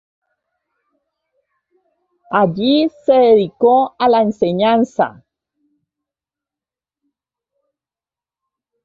Allí se dedicó a la enseñanza.